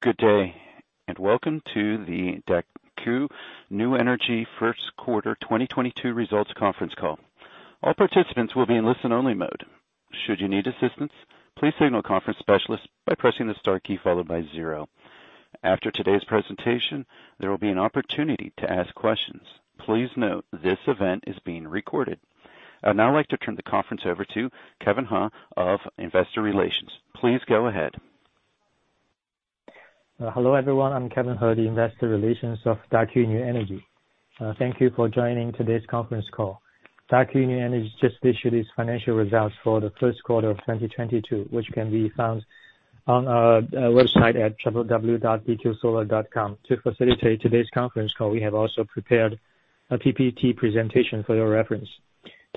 Good day, and welcome to the Daqo New Energy first quarter 2022 results conference call. All participants will be in listen-only mode. Should you need assistance, please signal a conference specialist by pressing the star key followed by zero. After today's presentation, there will be an opportunity to ask questions. Please note this event is being recorded. I'd now like to turn the conference over to Kevin He of Investor Relations. Please go ahead. Hello, everyone. I'm Kevin He, the investor relations of Daqo New Energy. Thank you for joining today's conference call. Daqo New Energy just issued its financial results for the first quarter of 2022, which can be found on our website at www.dqsolar.com. To facilitate today's conference call, we have also prepared a PPT presentation for your reference.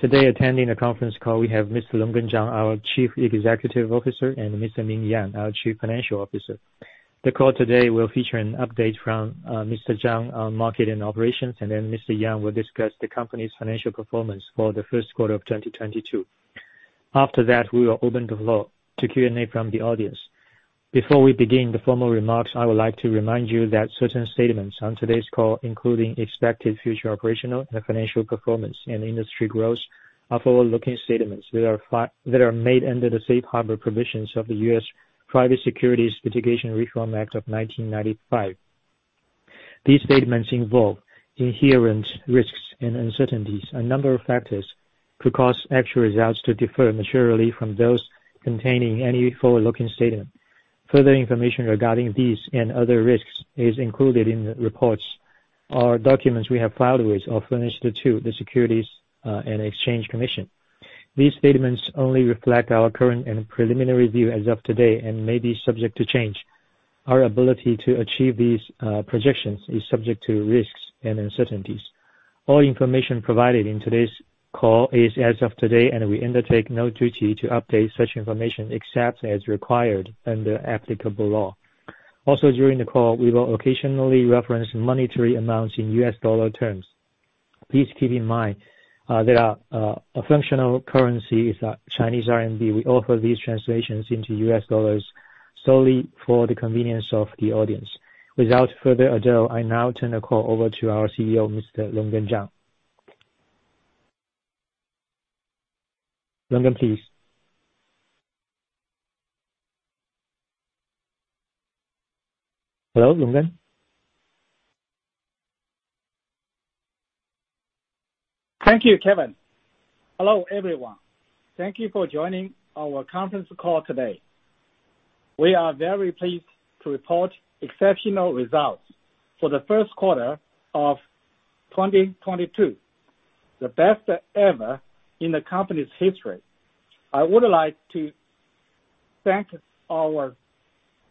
Today, attending the conference call we have Mr. Longgen Zhang, our Chief Executive Officer, and Mr. Ming Yang, our Chief Financial Officer. The call today will feature an update from Mr. Zhang on market and operations, and then Mr. Yang will discuss the company's financial performance for the first quarter of 2022. After that, we will open the floor to Q&A from the audience. Before we begin the formal remarks, I would like to remind you that certain statements on today's call, including expected future operational and financial performance and industry growth are forward-looking statements that are made under the safe harbor provisions of the U.S. Private Securities Litigation Reform Act of 1995. These statements involve inherent risks and uncertainties. A number of factors could cause actual results to differ materially from those contained in any forward-looking statement. Further information regarding these and other risks is included in the reports or documents we have filed with or furnished to the Securities and Exchange Commission. These statements only reflect our current and preliminary view as of today and may be subject to change. Our ability to achieve these projections is subject to risks and uncertainties. All information provided in today's call is as of today, and we undertake no duty to update such information except as required under applicable law. Also, during the call, we will occasionally reference monetary amounts in U.S. dollar terms. Please keep in mind that our functional currency is Chinese RMB. We offer these translations into U.S. dollars solely for the convenience of the audience. Without further ado, I now turn the call over to our CEO, Mr. Longgen Zhang. Longgen, please. Hello, Longgen? Thank you, Kevin. Hello, everyone. Thank you for joining our conference call today. We are very pleased to report exceptional results for the first quarter of 2022, the best ever in the company's history. I would like to thank our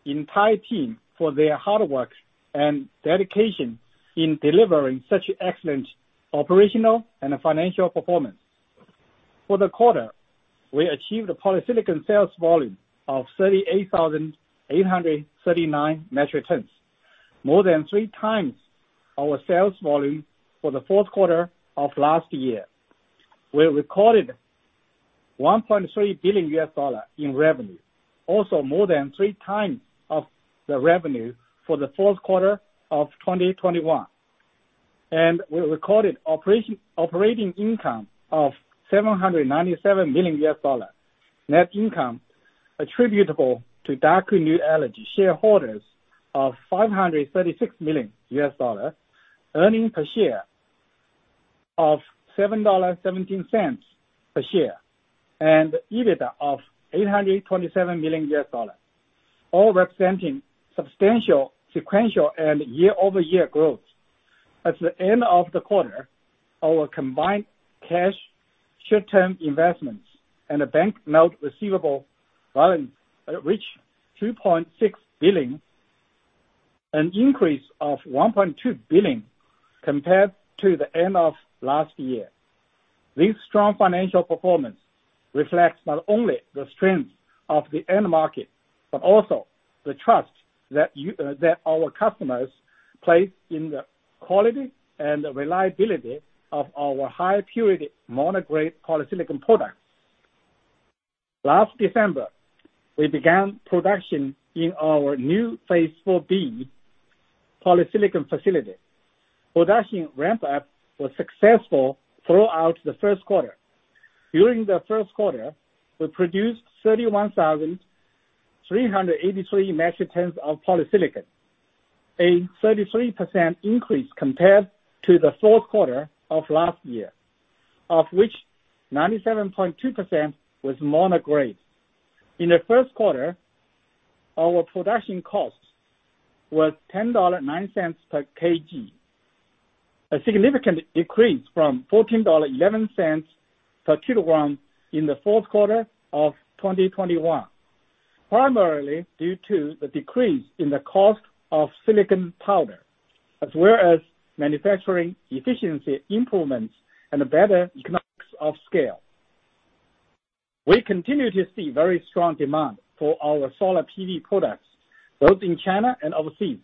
entire team for their hard work and dedication in delivering such excellent operational and financial performance. For the quarter, we achieved a polysilicon sales volume of 38,839 metric tons, more than 3x our sales volume for the fourth quarter of last year. We recorded $1.3 billion in revenue, also more than 3x of the revenue for the fourth quarter of 2021. We recorded operating income of $797 million, net income attributable to Daqo New Energy shareholders of $536 million, earnings per share of $7.17 per share, and EBITDA of $887 million, all representing substantial sequential and year-over-year growth. At the end of the quarter, our combined cash short-term investments and bank note receivable balance reached $2.6 billion, an increase of $1.2 billion compared to the end of last year. This strong financial performance reflects not only the strength of the end market, but also the trust that our customers place in the quality and reliability of our high-purity mono-grade polysilicon products. Last December, we began production in our new Phase 4B polysilicon facility. Production ramp-up was successful throughout the first quarter. During the first quarter, we produced 31,383 metric tons of polysilicon, a 33% increase compared to the fourth quarter of last year, of which 97.2% was mono-grade. In the first quarter, our production cost was $10.09 per kg, a significant decrease from $14.11 per kilogram in the fourth quarter of 2021, primarily due to the decrease in the cost of silicon powder, as well as manufacturing efficiency improvements and better economies of scale. We continue to see very strong demand for our solar PV products both in China and overseas.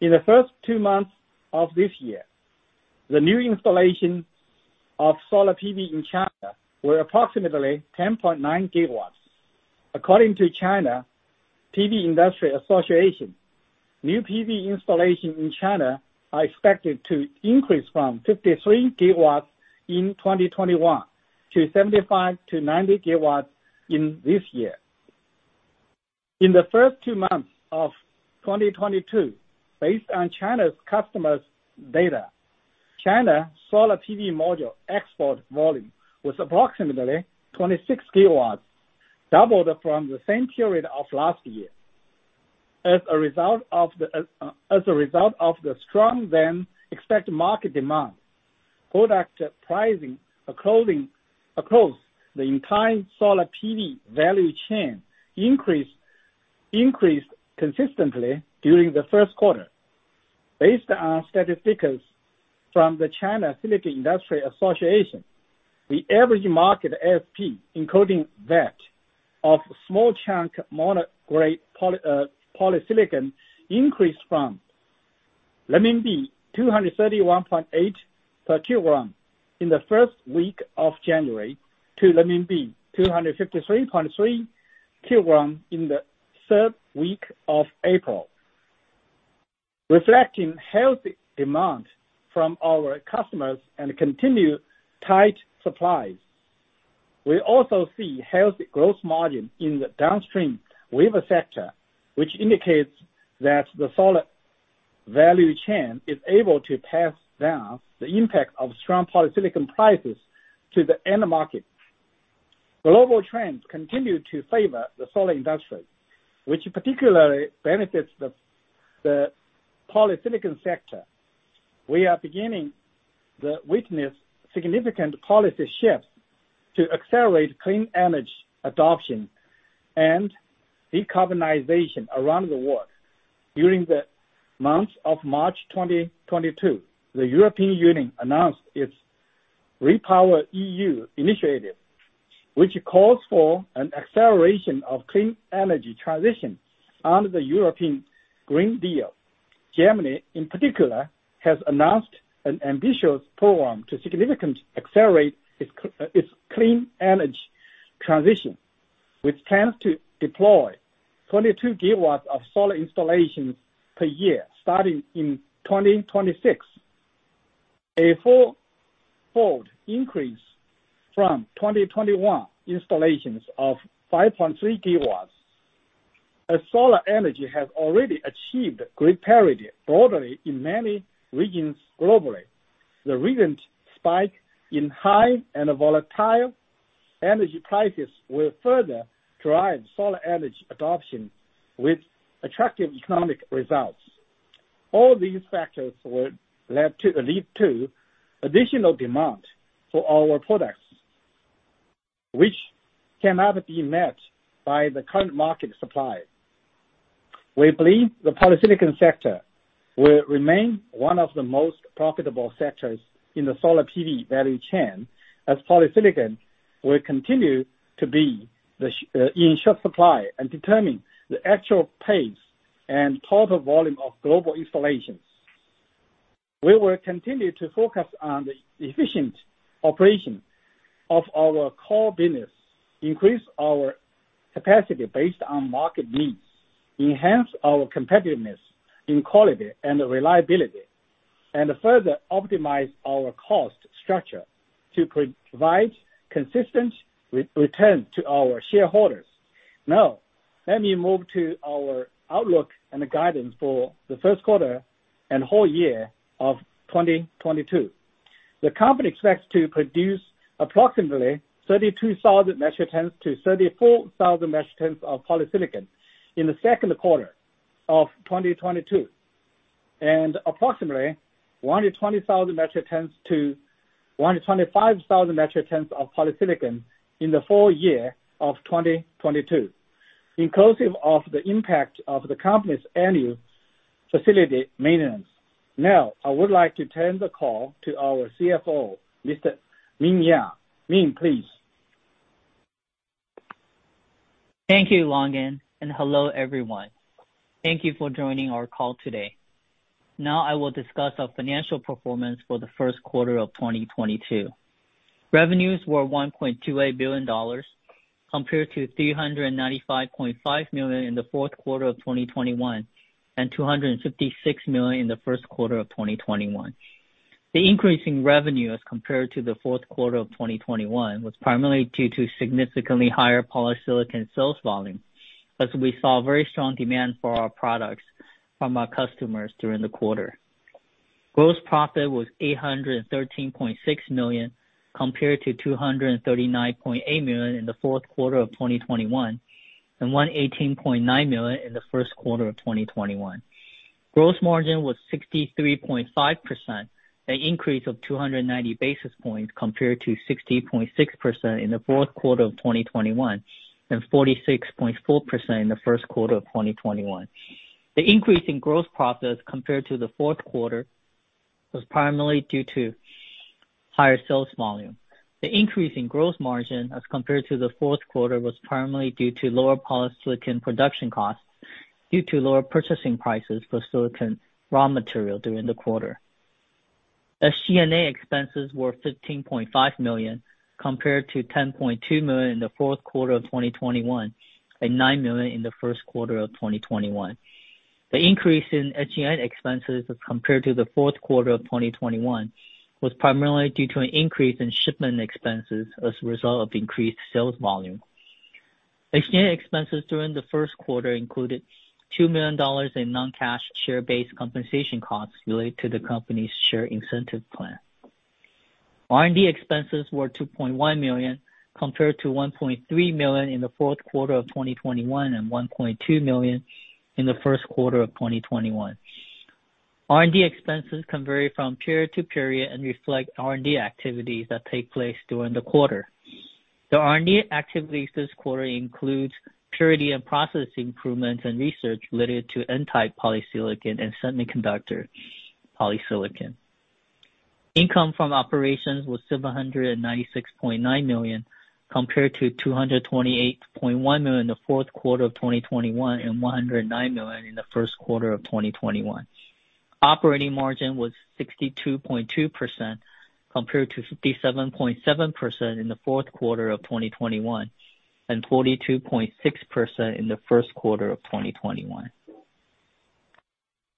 In the first two months of this year, the new installation of solar PV in China were approximately 10.9 GW. According to China Photovoltaic Industry Association, new PV installation in China are expected to increase from 53 GW in 2021 to 75-90 GW in this year. In the first two months of 2022, based on China's customers' data, China solar PV module export volume was approximately 26 GW, doubled from the same period of last year. As a result of the strong and expected market demand, product pricing across the entire solar PV value chain increased consistently during the first quarter. Based on statistics from the China Silicon Industry Association, the average market ASP, including that of small chunk mono-grade polysilicon, increased from renminbi 231.8 per kg to renminbi 253.3 per kg in the third week of April. Reflecting healthy demand from our customers and continued tight supplies, we also see healthy growth margin in the downstream wafer sector, which indicates that the solar value chain is able to pass down the impact of strong polysilicon prices to the end market. Global trends continue to favor the solar industry, which particularly benefits the polysilicon sector. We are beginning to witness significant policy shifts to accelerate clean energy adoption and decarbonization around the world. During the month of March 2022, the European Union announced its REPowerEU initiative, which calls for an acceleration of clean energy transition under the European Green Deal. Germany, in particular, has announced an ambitious program to significantly accelerate its clean energy transition, which plans to deploy 22 GW of solar installations per year starting in 2026. A four-fold increase from 2021 installations of 5.3 GW. As solar energy has already achieved grid parity broadly in many regions globally, the recent spike in high and volatile energy prices will further drive solar energy adoption with attractive economic results. All these factors will lead to additional demand for our products, which cannot be met by the current market supply. We believe the polysilicon sector will remain one of the most profitable sectors in the solar PV value chain, as polysilicon will continue to be in short supply and determine the actual pace and total volume of global installations. We will continue to focus on the efficient operation of our core business, increase our capacity based on market needs, enhance our competitiveness in quality and reliability, and further optimize our cost structure to provide consistent return to our shareholders. Now, let me move to our outlook and guidance for the first quarter and whole year of 2022. The company expects to produce approximately 32,000-34,000 metric tons of polysilicon in the second quarter of 2022, and approximately 120,000 metric tons to 120,000 metric tons of polysilicon in the full year of 2022, inclusive of the impact of the company's annual facility maintenance. Now, I would like to turn the call to our CFO, Mr. Ming Yang. Ming, please. Thank you, Longgen, and hello, everyone. Thank you for joining our call today. Now I will discuss our financial performance for the first quarter of 2022. Revenues were $1.28 billion compared to $395.5 million in the fourth quarter of 2021 and $256 million in the first quarter of 2021. The increase in revenue as compared to the fourth quarter of 2021 was primarily due to significantly higher polysilicon sales volume, as we saw very strong demand for our products from our customers during the quarter. Gross profit was $813.6 million, compared to $239.8 million in the fourth quarter of 2021, and $118.9 million in the first quarter of 2021. Gross margin was 63.5%, an increase of 290 basis points compared to 60.6% in the fourth quarter of 2021 and 46.4% in the first quarter of 2021. The increase in gross profits compared to the fourth quarter was primarily due to higher sales volume. The increase in gross margin as compared to the fourth quarter was primarily due to lower polysilicon production costs due to lower purchasing prices for silicon raw material during the quarter. SG&A expenses were 15.5 million, compared to 10.2 million in the fourth quarter of 2021 and 9 million in the first quarter of 2021. The increase in SG&A expenses as compared to the fourth quarter of 2021 was primarily due to an increase in shipment expenses as a result of increased sales volume. SG&A expenses during the first quarter included $2 million in non-cash share-based compensation costs related to the company's share incentive plan. R&D expenses were $2.1 million, compared to $1.3 million in the fourth quarter of 2021 and $1.2 million in the first quarter of 2021. R&D expenses can vary from period to period and reflect R&D activities that take place during the quarter. The R&D activities this quarter includes purity and process improvements and research related to N-type polysilicon and semiconductor polysilicon. Income from operations was $796.9 million, compared to $228.1 million in the fourth quarter of 2021 and $109 million in the first quarter of 2021. Operating margin was 62.2%, compared to 57.7% in the fourth quarter of 2021 and 42.6% in the first quarter of 2021.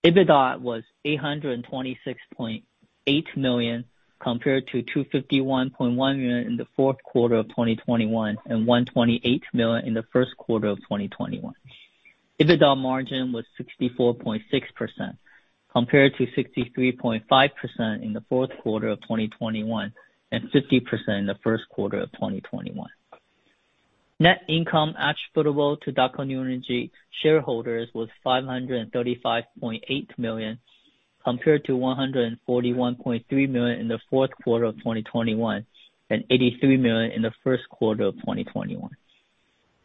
EBITDA was 826.8 million, compared to 251.1 million in the fourth quarter of 2021 and 128 million in the first quarter of 2021. EBITDA margin was 64.6%, compared to 63.5% in the fourth quarter of 2021 and 50% in the first quarter of 2021. Net income attributable to Daqo New Energy shareholders was 535.8 million, compared to 141.3 million in the fourth quarter of 2021 and 83 million in the first quarter of 2021.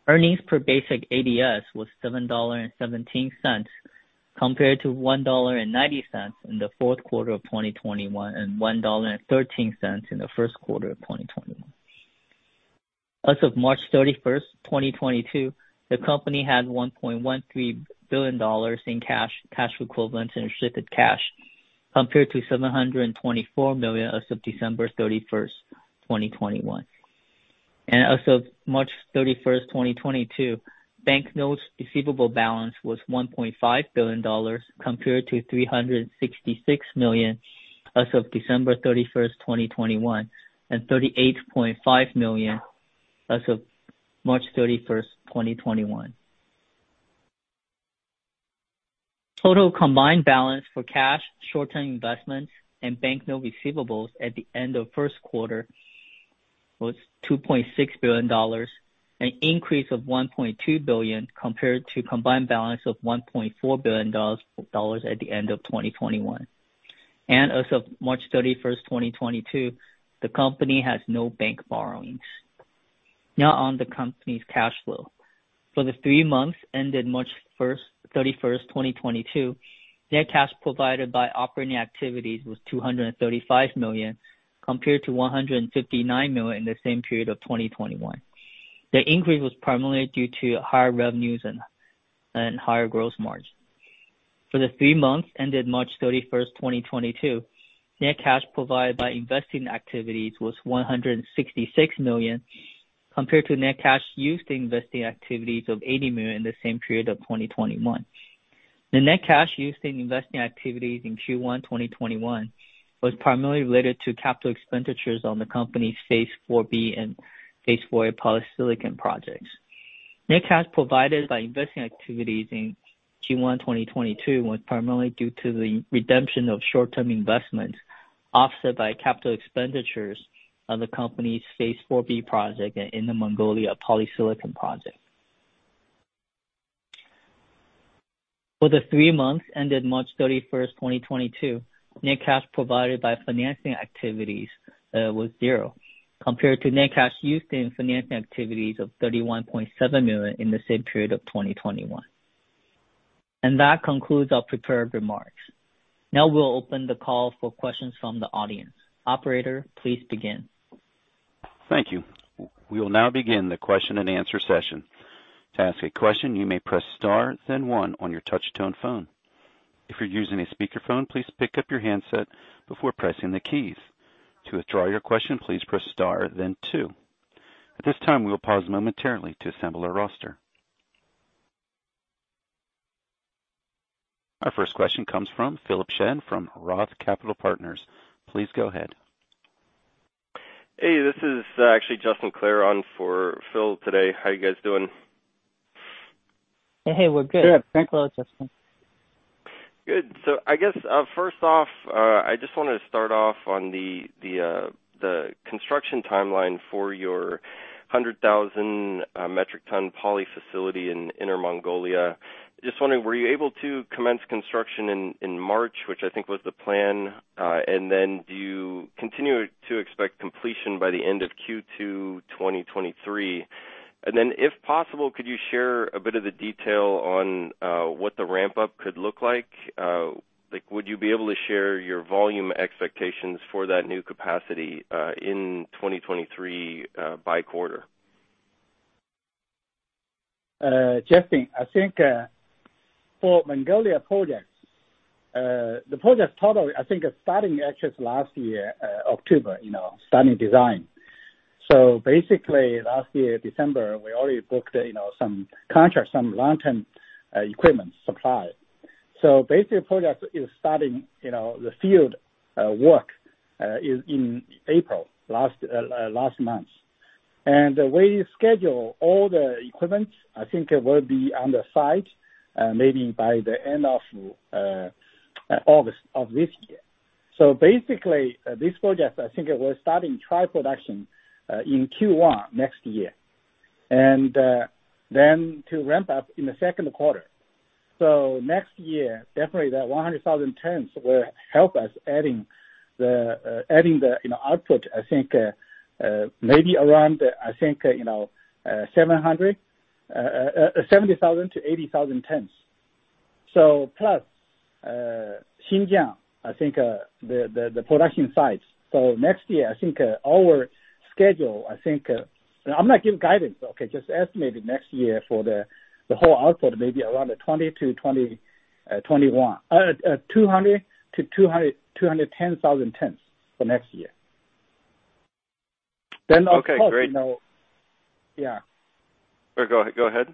Earnings per basic ADS was $7.17, compared to $1.90 in the fourth quarter of 2021, and $1.13 in the first quarter of 2021. As of March 31st, 2022, the company had $1.13 billion in cash equivalents and restricted cash, compared to $724 million as of December 31st, 2021. As of March 31st, 2022, bank notes receivable balance was $1.5 billion, compared to $366 million as of December 31st, 2021, and $38.5 million as of March 31, 2021. Total combined balance for cash, short-term investments, and bank note receivables at the end of first quarter was $2.6 billion, an increase of $1.2 billion, compared to combined balance of $1.4 billion at the end of 2021. As of March 31st, 2022, the company has no bank borrowings. Now on to the company's cash flow. For the three months ended March 31st, 2022, net cash provided by operating activities was $235 million, compared to $159 million in the same period of 2021. The increase was primarily due to higher revenues and higher gross margin. For the three months ended March 31st, 2022, net cash provided by investing activities was 166 million, compared to net cash used in investing activities of 80 million in the same period of 2021. The net cash used in investing activities in Q1 2021 was primarily related to capital expenditures on the company's phase IV-B and phase IV-A polysilicon projects. Net cash provided by investing activities in Q1 2022 was primarily due to the redemption of short-term investments, offset by capital expenditures of the company's phase IV-B project in the Inner Mongolia polysilicon project. For the three months ended March 31st, 2022, net cash provided by financing activities was zero, compared to net cash used in financing activities of 31.7 million in the same period of 2021. That concludes our prepared remarks. Now we'll open the call for questions from the audience. Operator, please begin. Thank you. We will now begin the question and answer session. Our first question comes from Philip Shen from Roth Capital Partners. Please go ahead. Hey, this is actually Justin Clare on for Phil today. How are you guys doing? Hey. We're good. Good. Thanks a lot, Justin. Good. I guess, first off, I just wanted to start off on the construction timeline for your 100,000 metric ton poly facility in Inner Mongolia. Just wondering, were you able to commence construction in March, which I think was the plan? And then do you continue to expect completion by the end of Q2 2023? If possible, could you share a bit of the detail on what the ramp up could look like? Like, would you be able to share your volume expectations for that new capacity in 2023, by quarter? Justin, I think, for Inner Mongolia projects, the project total, I think starting actually last year, October, you know, starting design. Basically last year, December, we already booked, you know, some contracts, some long-term, equipment supply. Basically project is starting, you know, the field work is in April last month. The way you schedule all the equipment, I think it will be on the site, maybe by the end of August of this year. Basically, this project, I think it will starting trial production in Q1 next year, and then to ramp up in the second quarter. Next year, definitely that 100,000 tons will help us adding the output, I think, maybe around 770,000-800,000 tons. Plus Xinjiang, I think, the production sites. Next year, I think, our schedule, I think. I'm not giving guidance, okay, just estimated next year for the whole output, maybe around 200-210,000 tons for next year. Of course, you know- Okay, great. Yeah. Go ahead.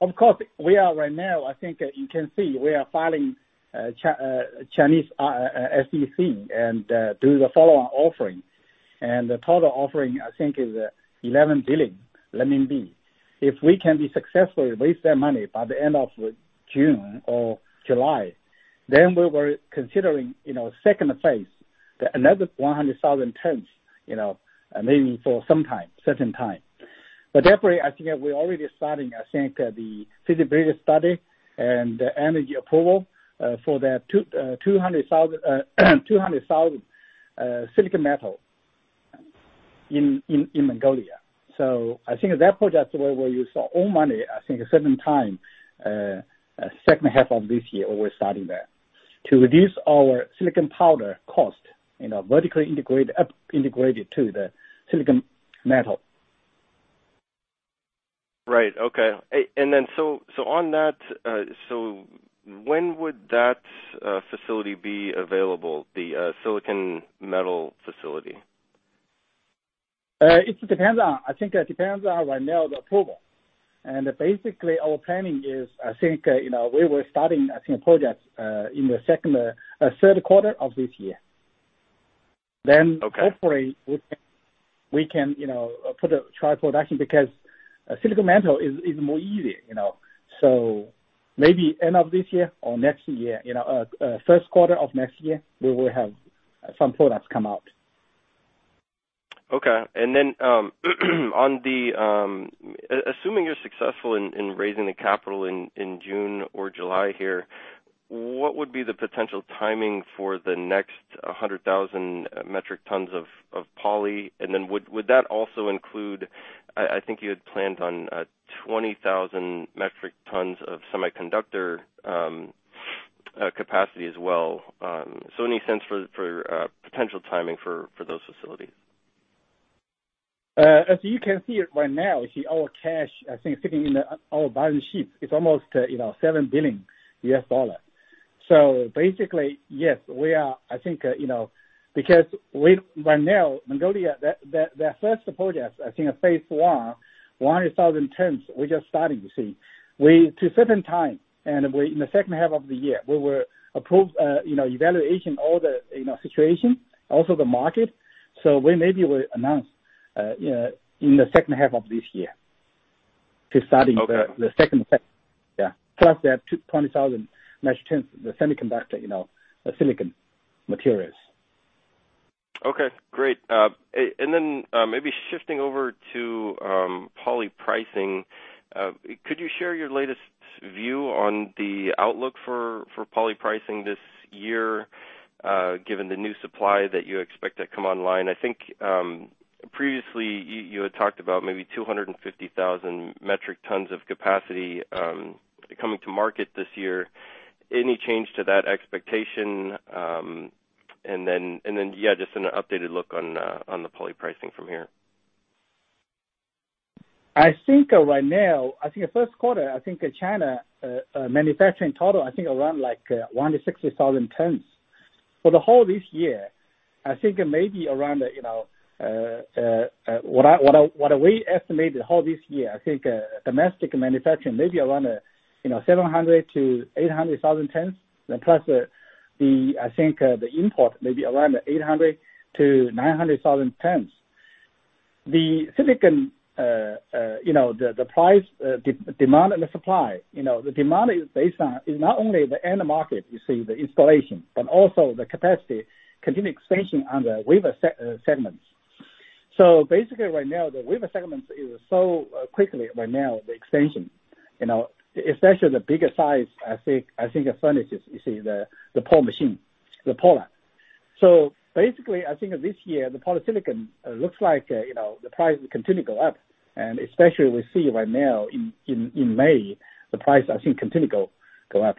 Of course, we are right now. I think you can see we are filing CSRC and do the follow-on offering. The total offering, I think, is 11 billion. If we can be successful, raise that money by the end of June or July, then we were considering, you know, second phase, another 100,000 tons, you know, maybe for some time, certain time. Definitely, I think we're already starting, I think, the feasibility study and the energy approval for the 200,000 silicon metal in Inner Mongolia. I think that project where we use our own money, I think a certain time, second half of this year, we're starting that. To reduce our silicon powder cost, you know, vertically integrate up, integrated to the silicon metal. On that, when would that facility be available, the silicon metal facility? It depends on the approval. I think it depends on right now the approval. Basically, our planning is, I think, you know, we were starting, I think, projects in the second, third quarter of this year. Hopefully, we can, you know, put a trial production because silicon metal is more easier, you know. So maybe end of this year or next year, you know, first quarter of next year, we will have some products come out. Assuming you're successful in raising the capital in June or July here, what would be the potential timing for the next 100,000 metric tons of poly? Would that also include, I think you had planned on 20,000 metric tons of semiconductor capacity as well? Any sense for potential timing for those facilities? As you can see right now, our cash sitting in our balance sheet is almost, you know, $7 billion. So basically, yes, we are, I think, you know, because right now, Inner Mongolia, the their first project, I think phase I, 100,000 tons, we're just starting to see. We to certain time, and we in the second half of the year, we will approve, you know, evaluation all the, you know, situation, also the market. So we maybe will announce in the second half of this year to starting- Okay. The second phase. Yeah. Plus they have 20,000 metric tons, the semiconductor, you know, silicon materials. Okay. Great. Maybe shifting over to poly pricing. Could you share your latest view on the outlook for poly pricing this year, given the new supply that you expect to come online? I think, previously you had talked about maybe 250,000 metric tons of capacity coming to market this year. Any change to that expectation? Yeah, just an updated look on the poly pricing from here. I think right now, the first quarter China manufacturing total around like 100,000-160,000 tons. For the whole this year, I think maybe around, you know, what we estimated whole this year, domestic manufacturing may be around, you know, 700,000-800,000 tons. Then plus, the import may be around 800,000-900,000 tons. The silicon price, demand and the supply, you know, the demand is based on, is not only the end market, you see the installation, but also the capacity continued expansion on the wafer segments. Basically right now, the wafer segment is so quickly right now, the expansion, you know, especially the bigger size, I think furnaces, you see the puller machine, the puller. Basically, I think this year the polysilicon looks like, you know, the price will continue to go up. Especially we see right now in May, the price I think continue go up.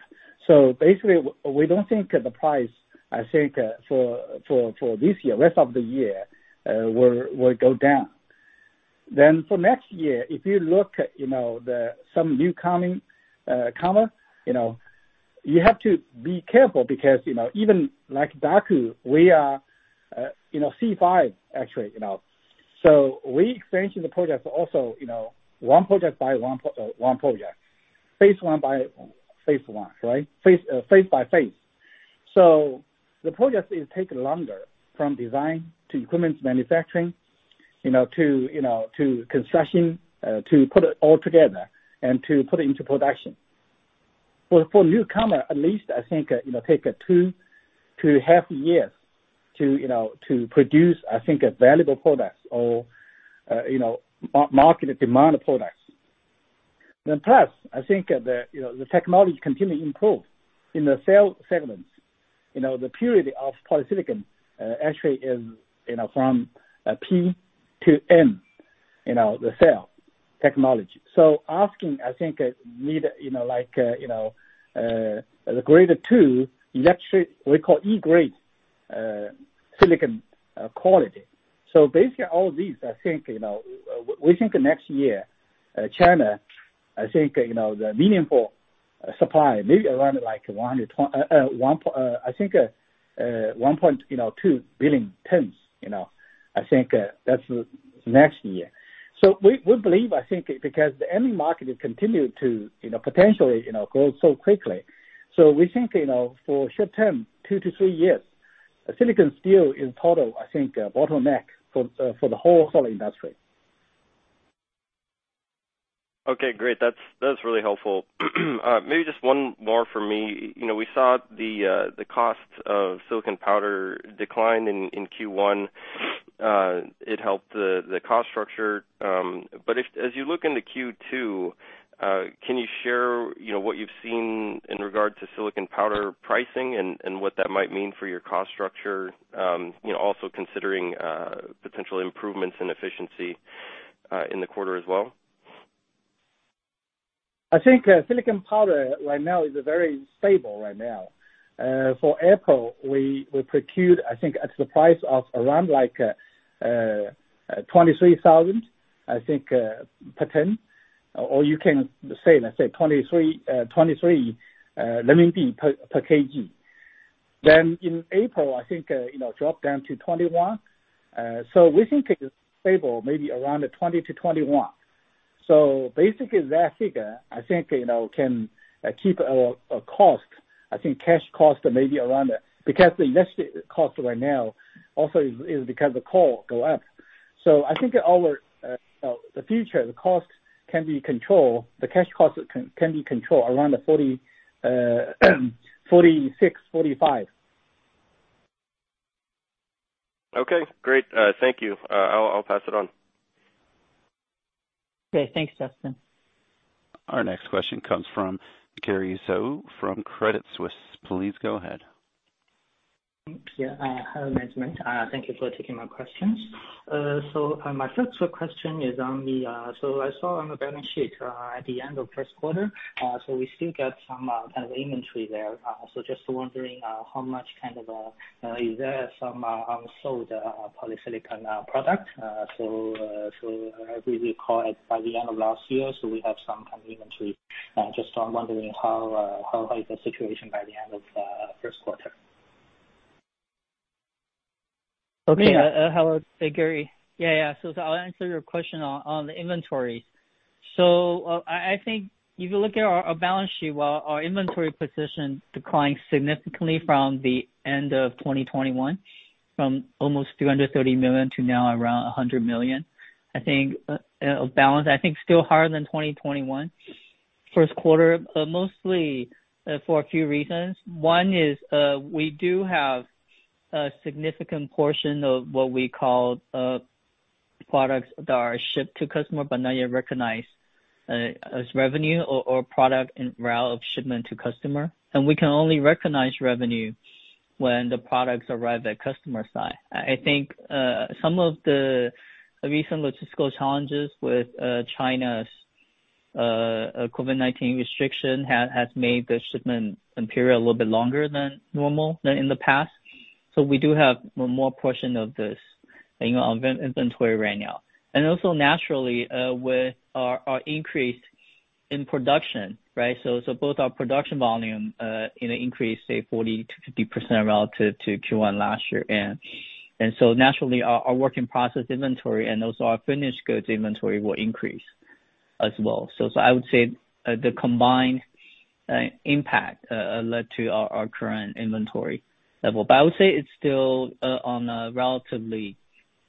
Basically, we don't think the price, I think, for this year, rest of the year, will go down. For next year, if you look, you know, the some new comer, you know, you have to be careful because, you know, even like Daqo, we are, you know, C.5, actually, you know. We expansion the projects also, you know, one project by one project. Phase by phase, right? The project is taking longer from design to equipment manufacturing, you know, to construction, to put it all together and to put it into production. For newcomers, at least I think, you know, take two and a half years to, you know, to produce, I think, a valuable product or, you know, market demand products. Plus, I think the, you know, the technology continues to improve in the cell segment. You know, the purity of polysilicon actually is from P to N, you know, the cell technology. Asking, I think, need, you know, like, the grade, too, electronic, we call E-grade, silicon quality. Basically all these I think, you know, we think next year, China, I think, you know, the meaningful supply maybe around like 1.2 billion tons, you know. I think that's next year. We believe, I think, because the end market continues to, you know, potentially, you know, grow so quickly. We think, you know, for short term, two to three years, silicon still in total, I think, a bottleneck for the whole solar industry. Okay, great. That's really helpful. Maybe just one more for me. You know, we saw the cost of silicon powder decline in Q1. It helped the cost structure. But as you look into Q2, can you share, you know, what you've seen in regard to silicon powder pricing and what that might mean for your cost structure, you know, also considering potential improvements in efficiency in the quarter as well? I think silicon powder right now is very stable. For April, we procured, I think, at the price of around like 23,000 per ton. Or you can say, let's say 23 per kg. In April, I think you know drop down to 21. We think it is stable maybe around 20-21. Basically that figure, I think you know can keep our cost. I think cash cost maybe around. Because the invested cost right now also is because the coal go up. I think our future cost can be controlled. The cash cost can be controlled around 40, 46, 45. Okay, great. Thank you. I'll pass it on. Okay. Thanks, Justin. Our next question comes from Gary Zhou from Credit Suisse. Please go ahead. Hello, management. Thank you for taking my questions. My first question is on the balance sheet at the end of first quarter, so we still get some kind of inventory there. Just wondering, how much kind of is there some unsold polysilicon product. As we recall it by the end of last year, we have some kind of inventory. Just wondering how is the situation by the end of first quarter. Okay. Hello. Hey, Gary. Yeah, yeah. I'll answer your question on the inventory. I think if you look at our balance sheet, well, our inventory position declined significantly from the end of 2021, from almost 330 million to now around 100 million. I think balance still higher than 2021 first quarter, mostly for a few reasons. One is we do have a significant portion of what we call products that are shipped to customer but not yet recognized as revenue or product en route of shipment to customer. We can only recognize revenue when the products arrive at customer side. I think some of the recent logistical challenges with China's COVID-19 restriction has made the shipment period a little bit longer than normal in the past. We do have more portion of this, you know, inventory right now. And also naturally, with our increase in production, right? Both our production volume, you know, increased say 40%-50% relative to Q1 last year. And so naturally our work in process inventory and also our finished goods inventory will increase as well. I would say the combined impact led to our current inventory level. I would say it's still on a relatively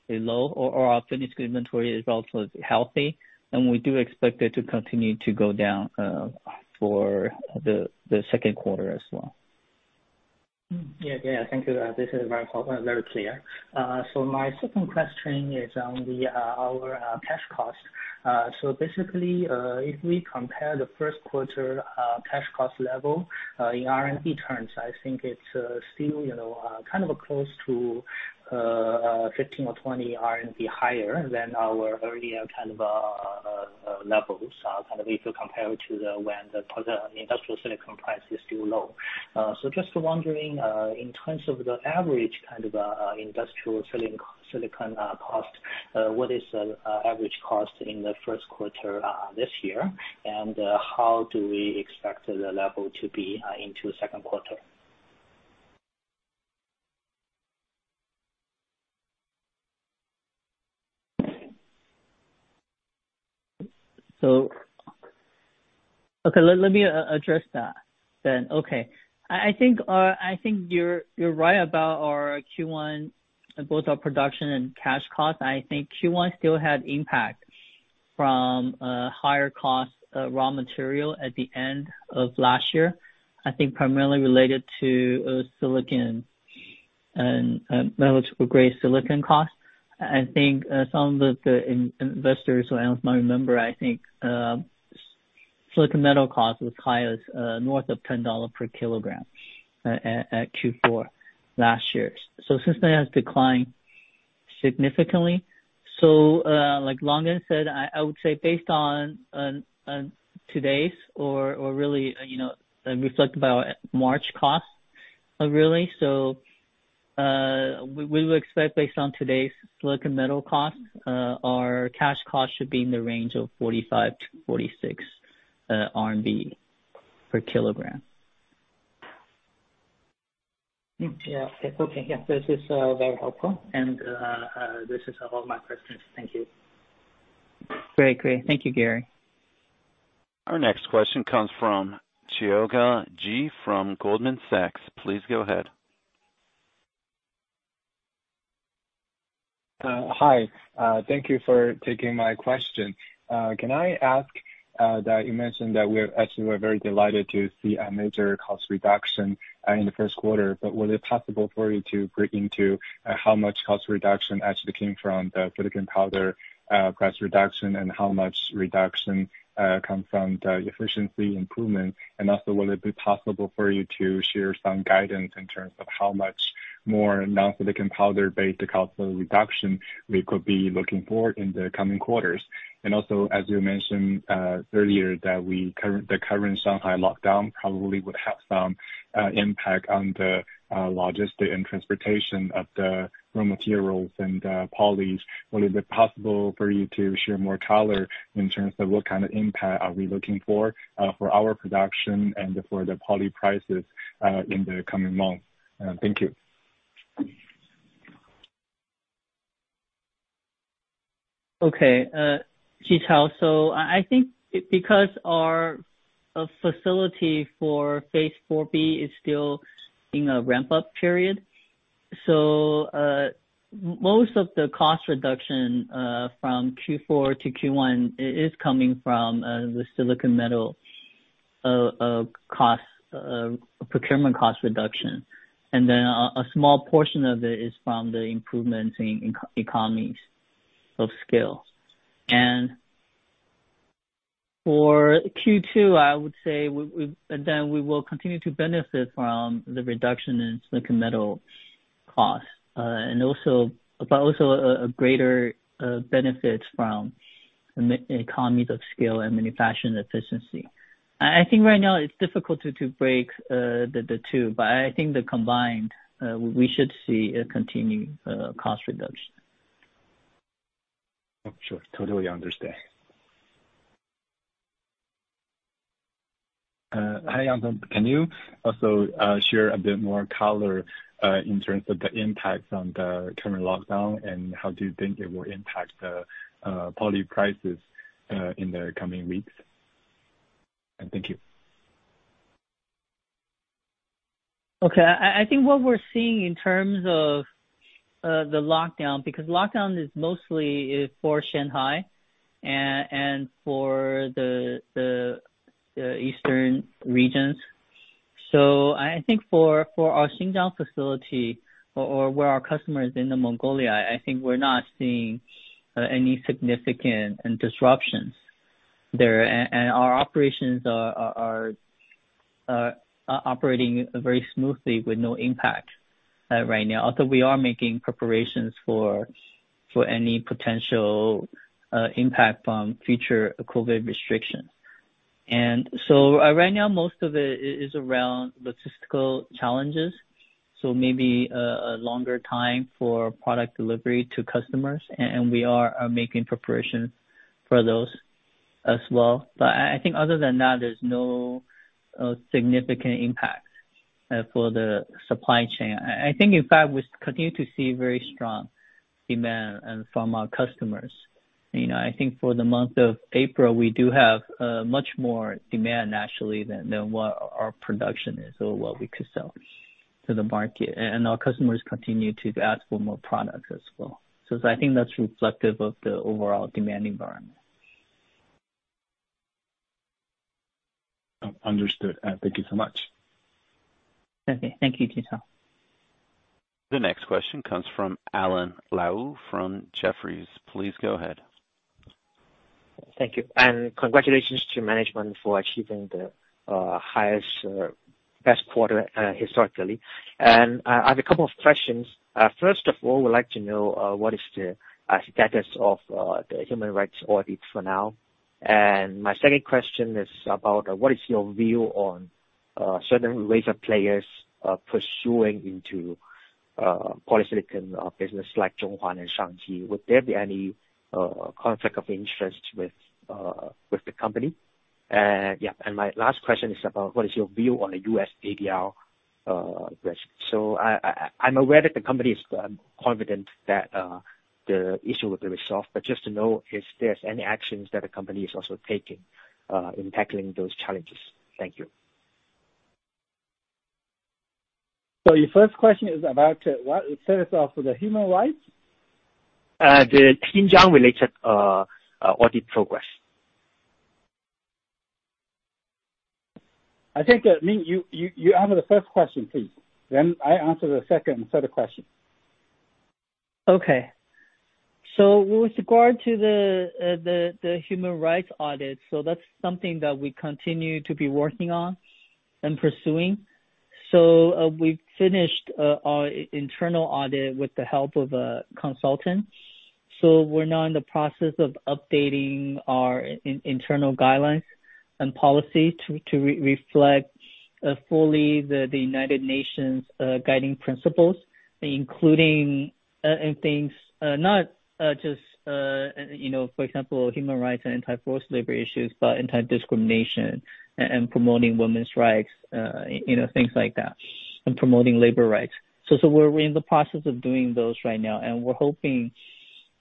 low or our finished inventory is relatively healthy, and we do expect it to continue to go down for the second quarter as well. Yeah. Yeah. Thank you. This is very clear. My second question is on our cash cost. Basically, if we compare the first quarter cash cost level in RMB terms, I think it's still, you know, kind of close to 15 or 20 higher than our earlier levels. Kind of if you compare to when the industrial silicon price is still low. Just wondering, in terms of the average kind of industrial silicon cost, what is the average cost in the first quarter this year? And how do we expect the level to be into second quarter? Okay, let me address that then. Okay. I think you're right about our Q1, both our production and cash costs. I think Q1 still had impact from higher cost raw material at the end of last year. I think primarily related to silicon metal and metal-grade silicon cost. I think some of the investors who else might remember, I think, silicon metal cost was high as north of $10 per kilogram at Q4 last year. Since then has declined significantly. Like Longgen Zhang said, I would say based on today's or really, you know, reflect about March costs really. We would expect based on today's silicon metal costs, our cash costs should be in the range of 45-46 RMB per kilogram. Yeah. Okay. Yeah. This is very helpful. This is all my questions. Thank you. Very great. Thank you, Gary. Our next question comes from Chao Ji from Goldman Sachs. Please go ahead. Hi. Thank you for taking my question. Can I ask, actually, we're very delighted to see a major cost reduction in the first quarter, but was it possible for you to break down how much cost reduction actually came from the silicon powder price reduction? How much reduction come from the efficiency improvement? Also, will it be possible for you to share some guidance in terms of how much more non-silicon powder-based cost reduction we could be looking for in the coming quarters? Also, as you mentioned earlier, the current Shanghai lockdown probably would have some impact on the logistics and transportation of the raw materials and polys. Will it be possible for you to share more color in terms of what kind of impact are we looking for our production and for the poly prices, in the coming months? Thank you. Chao Ji. I think because our facility for phase IV-B is still in a ramp-up period, most of the cost reduction from Q4-Q1 is coming from the silicon metal procurement cost reduction. A small portion of it is from the improvements in economies of scale. For Q2, I would say we will continue to benefit from the reduction in silicon metal cost and also a greater benefit from economies of scale and manufacturing efficiency. I think right now it's difficult to break the two. I think the combined we should see a continuing cost reduction. Sure. Totally understand. Hi, Ming Yang. Can you also share a bit more color in terms of the impact on the current lockdown, and how do you think it will impact the poly prices in the coming weeks? Thank you. Okay. I think what we're seeing in terms of the lockdown, because the lockdown is mostly for Shanghai and for the eastern regions. I think for our Xinjiang facility or where our customer is in Inner Mongolia, I think we're not seeing any significant disruptions there. And our operations are operating very smoothly with no impact right now. Although we are making preparations for any potential impact from future COVID restrictions. Right now most of it is around logistical challenges. Maybe a longer time for product delivery to customers. And we are making preparations for those as well. I think other than that there's no significant impact for the supply chain. I think, in fact, we continue to see very strong demand from our customers. You know, I think for the month of April, we do have much more demand naturally than what our production is or what we could sell to the market. Our customers continue to ask for more products as well. I think that's reflective of the overall demand environment. Understood. Thank you so much. Okay. Thank you, Chao Ji. The next question comes from Alan Lau from Jefferies. Please go ahead. Thank you. Congratulations to management for achieving the highest, best quarter historically. I have a couple of questions. First of all, we'd like to know what is the status of the human rights audit for now? My second question is about what is your view on certain wafer players pursuing into polysilicon business like Zhonghuan and Shangji? Would there be any conflict of interest with the company? My last question is about what is your view on the U.S. ADR risk? I am aware that the company is confident that the issue will be resolved, but just to know if there's any actions that the company is also taking in tackling those challenges. Thank you. Your first question is about what? Status of the human rights? The Xinjiang-related audit progress. I think, Ming, you handle the first question, please. I answer the second and third question. Okay. With regard to the human rights audit, that's something that we continue to be working on and pursuing. We've finished our internal audit with the help of a consultant. We're now in the process of updating our internal guidelines and policy to reflect fully the United Nations guiding principles, including not just, you know, for example, human rights and anti-forced labor issues, but anti-discrimination and promoting women's rights, you know, things like that, and promoting labor rights. We're in the process of doing those right now, and we're hoping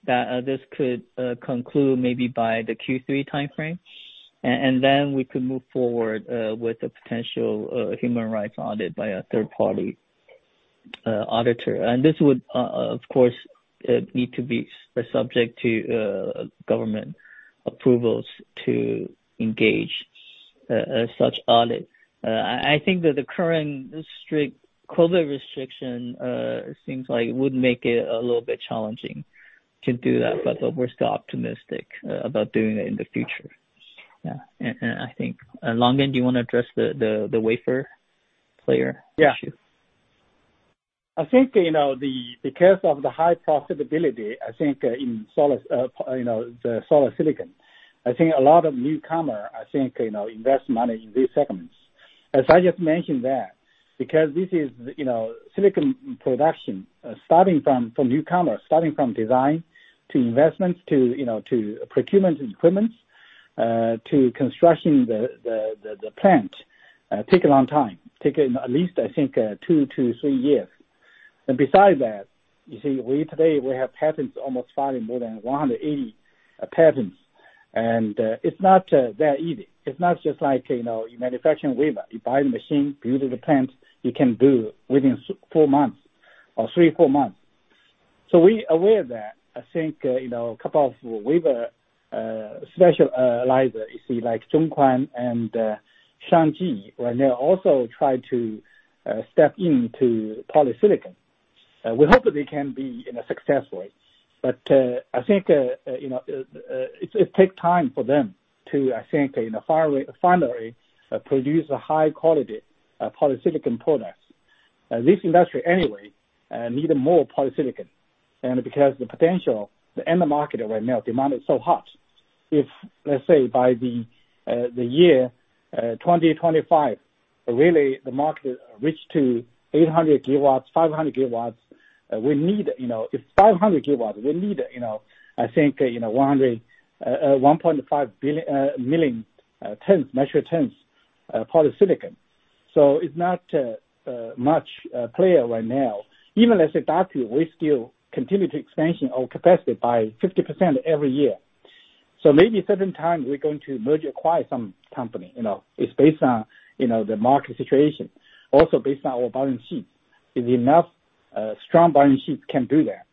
that this could conclude maybe by the Q3 timeframe. We could move forward with the potential human rights audit by a third party auditor. This would, of course, need to be subject to government approvals to engage such audit. I think that the current strict COVID restriction seems like would make it a little bit challenging to do that, but we're still optimistic about doing it in the future. Yeah. I think Longgen Zhang, do you wanna address the wafer player issue? Yeah. I think, you know, because of the high profitability, I think, in solar, you know, the solar silicon, I think a lot of newcomer, I think, you know, invest money in these segments. As I just mentioned that, because this is, you know, silicon production, starting from newcomers, starting from design to investments to, you know, to procurement equipment's, to construction the plant, take a long time, at least I think, two to three years. Besides that, you see, we today have patents almost filing more than 180 patents. It's not that easy. It's not just like, you know, you manufacture a wafer. You buy the machine, build the plant, you can do within four months or three to four months. We aware of that. I think you know a couple of wafer specialists like Zhonghuan and Shangji when they also try to step into polysilicon. We hope that they can be successful, but I think you know it take time for them to I think you know finally produce a high quality polysilicon product. This industry anyway need more polysilicon. Because the potential end market right now demand is so hot. If let's say by the year 2025 really the market reach to 800 GW 500 GW we need you know. If 500 GW we need you know I think you know 1.5 million metric tons polysilicon. So it's not much clear right now. Even as Daqo, we still continue to expansion our capacity by 50% every year. Maybe certain time we're going to merge or acquire some company, you know. It's based on, you know, the market situation, also based on our balance sheet. If enough strong balance sheets can do that.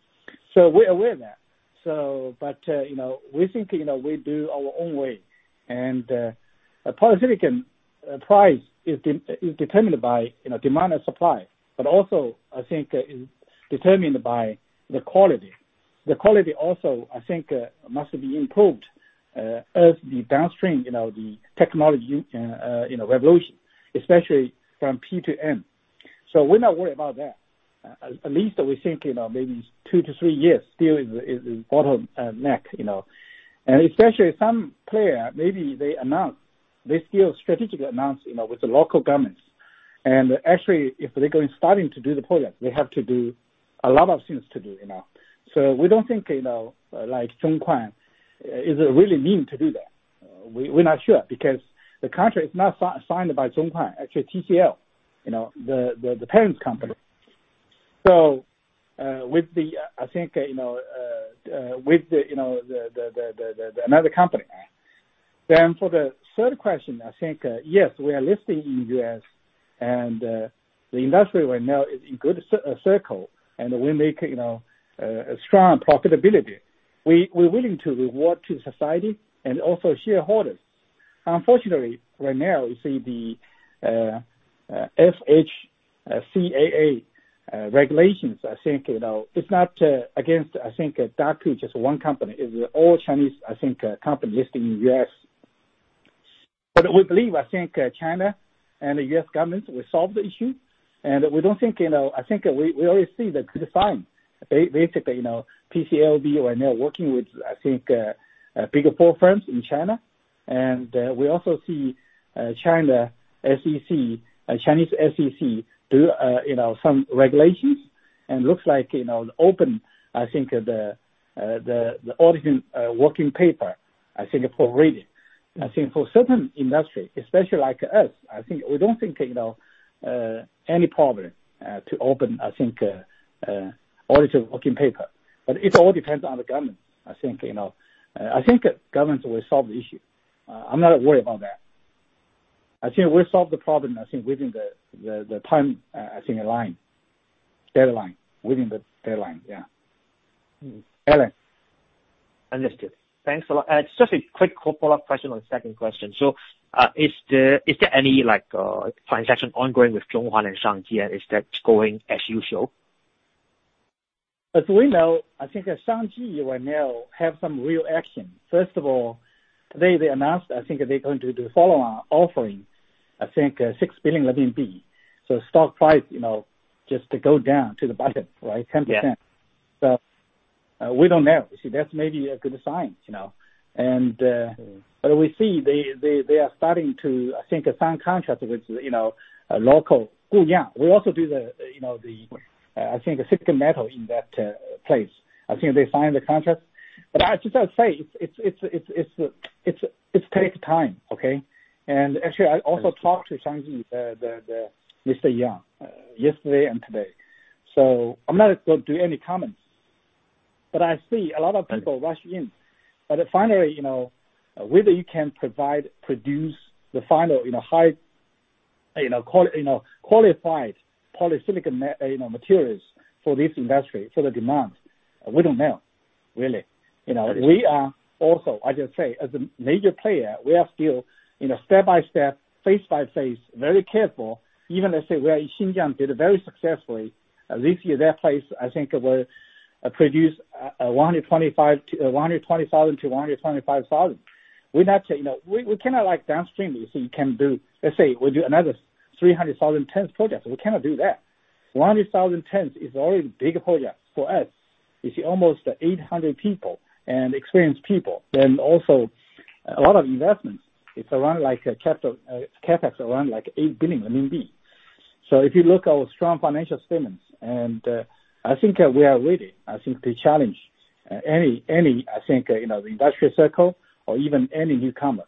We're aware of that. You know, we're thinking that we do our own way. Polysilicon price is determined by, you know, demand and supply, but also I think is determined by the quality. The quality also, I think, must be improved as the downstream, you know, the technology revolution, especially from P to M. We're not worried about that. At least we think, you know, maybe two to three years still is bottleneck, you know. Especially some player, maybe they strategically announce, you know, with the local governments. Actually, if they're starting to do the project, they have to do a lot of things to do, you know. We don't think, you know, like Zhonghuan is really meant to do that. We're not sure because the contract is not signed by Zhonghuan, actually TCL, you know, the parent company. So, with the, I think, you know, with the, you know, the, the, the, another company. For the third question, I think, yes, we are listed in the U.S. and the industry right now is in good cycle, and we make, you know, a strong profitability. We're willing to return to society and also shareholders. Unfortunately, right now you see the HFCAA regulations. I think, you know, it's not against, I think, just one company. It's all Chinese, I think, company listed in U.S. We believe, I think, China and the U.S. governments will solve the issue. We don't think, you know, I think we already see the good sign. Basically, you know, PCAOB is now working with, I think, the Big Four in China. We also see CSRC do you know some regulations and it looks like, you know, opening the auditing working papers, I think, for review. I think for certain industry, especially like us, I think we don't think, you know, any problem to open, I think, audit working papers, but it all depends on the government, I think, you know. I think governments will solve the issue. I'm not worried about that. I think we solved the problem, I think within the deadline. Yeah. Alan. Understood. Thanks a lot. Just a quick follow-up question on the second question. Is there any, like, transaction ongoing with Zhonghuan and Shangji? Is that going as usual? As we know, I think Shangji right now have some real action. First of all, today they announced I think they're going to do follow on offering, I think 6 billion RMB. Stock price, you know, just to go down to the bottom, right? 10%. Yeah. We don't know. See, that's maybe a good sign, you know. We see they are starting to, I think, sign contracts with, you know, local Guoyang. We also do the, you know, the, I think silicon metal in that place. I think they signed the contract. As I say, it takes time. Okay? Actually, I also talked to Shangji, the Mr. Yang, yesterday and today, so I'm not going to do any comments. I see a lot of people rushing in. Finally, you know, whether you can provide, produce the final, you know, high, you know, qualified polysilicon materials for this industry, for the demand, we don't know, really. You know. Understood. I just say, as a major player, we are still, you know, step by step, phase by phase, very careful. Even let's say we are in Xinjiang, we did it very successfully. At least in that place, I think we'll produce 120,000-125,000. We're not, you know, we cannot like downstream so you can do. Let's say we do another 300,000 tons project. We cannot do that. 100,000 tons is already big project for us. You see almost 800 people and experienced people, then also a lot of investments. It's around like capital CapEx around 8 billion RMB. If you look at our strong financial statements, I think we are ready, I think to challenge any, I think, you know, the industry cycle or even any newcomer.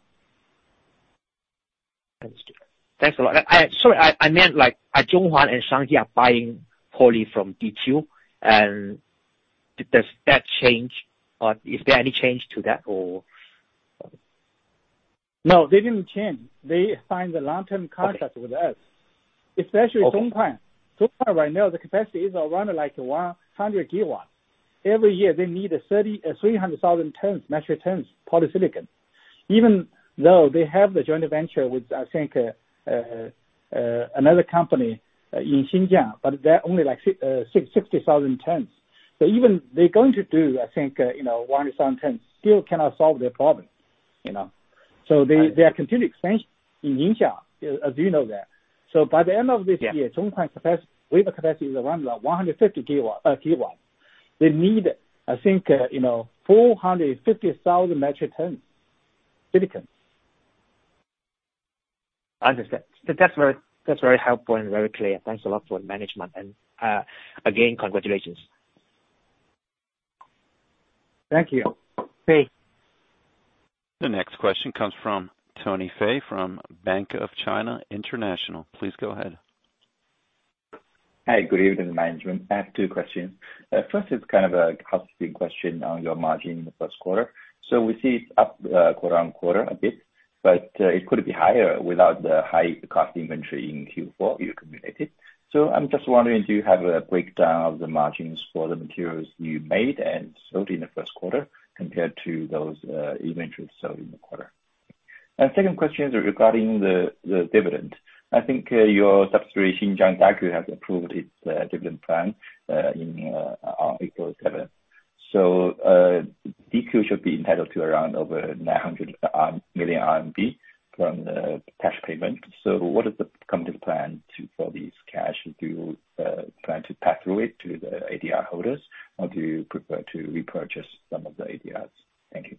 Understood. Thanks a lot. Sorry, I meant like are Zhonghuan and Shangji buying poly from DQ, and does that change or is there any change to that or? No, they didn't change. They signed the long-term contract with us, especially Zhonghuan. Zhonghuan right now, the capacity is around like 100 GW. Every year they need 300,000 metric tons polysilicon. Even though they have the joint venture with, I think, another company in Xinjiang, but they're only like 60,000 tons. So even they're going to do, I think, you know, 100 tons still cannot solve their problem, you know. They are continuing expansion in Ningxia, as you know that. By the end of this year Zhonghuan capacity, wafer capacity is around 150 GW. They need, I think, you know, 450,000 metric tons of silicon. Understood. That's very helpful and very clear. Thanks a lot to management. Again, congratulations. Thank you. Fei. The next question comes from Tony Fei from Bank of China International. Please go ahead. Hi. Good evening, management. I have two questions. First is kind of a costing question on your margin in the first quarter. We see it's up quarter-over-quarter a bit, but it could be higher without the high cost inventory in Q4 you accumulated. I'm just wondering, do you have a breakdown of the margins for the materials you made and sold in the first quarter compared to those inventories sold in the quarter? Second question is regarding the dividend. I think your subsidiary Xinjiang Daqo has approved its dividend plan in April 7th. DQ should be entitled to around over 900 million RMB from the cash payment. What is the company plan for this cash? Do you plan to pass through it to the ADR holders, or do you prefer to repurchase some of the ADRs? Thank you.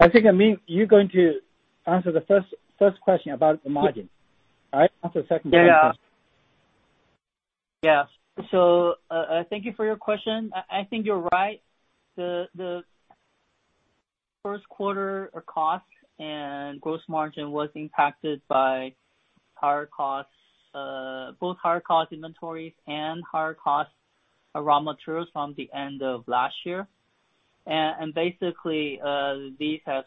I think, Ming, you're going to answer the first question about the margin. All right? Answer the second question. Thank you for your question. I think you're right. The first quarter cost and gross margin was impacted by higher costs, both higher cost inventories and higher cost raw materials from the end of last year. Basically, these have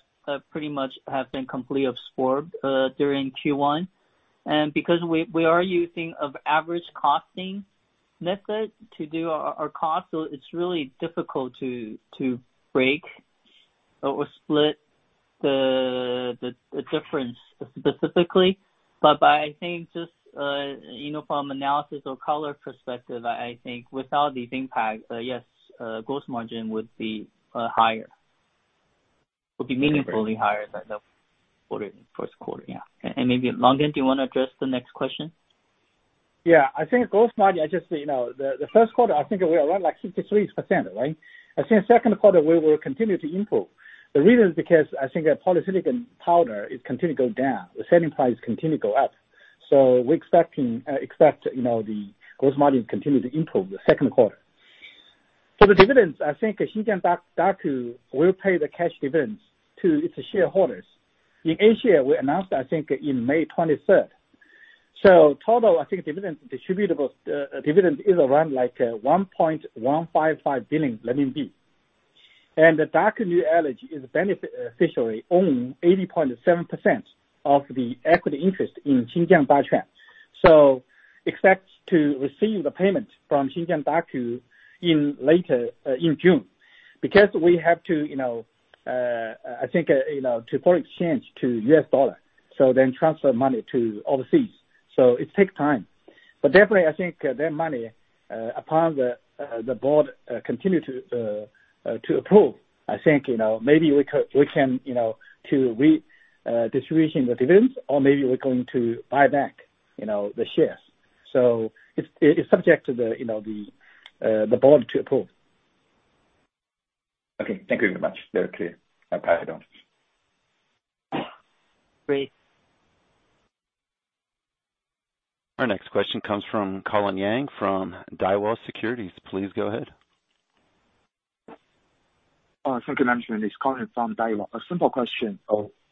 pretty much been completely absorbed during Q1. Because we are using the average costing method to do our cost, it's really difficult to break or split the difference specifically. But I think just, you know, from analysis or color perspective, I think without the impact, yes, gross margin would be higher. It would be meaningfully higher than the first quarter, yeah. Maybe Longgen, do you want to address the next question? Yeah. I think gross margin, you know, the first quarter, I think we are around like 63%, right? I think second quarter we will continue to improve. The reason is because I think that polysilicon powder, it continue go down. The selling price continue go up. So we expect, you know, the gross margin continue to improve in the second quarter. For the dividends, I think Xinjiang Daqo will pay the cash dividends to its shareholders. In Asia, we announced, I think, in May 23. Total, I think, distributable dividend is around like 1.155 billion. Daqo New Energy is beneficially own 80.7% of the equity interest in Xinjiang Daqo. Expect to receive the payment from Xinjiang Daqo in late June. Because we have to, you know, I think, you know, to foreign exchange to U.S. dollar, so then transfer money to overseas, so it take time. Definitely I think that money upon the Board's continued approval, I think, you know, maybe we can, you know, distribute the dividends or maybe we're going to buy back, you know, the shares. It's subject to the, you know, the Board's approval. Okay. Thank you very much. Very clear. Okay, I don't. Great. Our next question comes from Colin Yang from Daiwa Securities. Please go ahead. Thank you, management. It's Colin from Daiwa. A simple question.